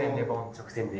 直線で。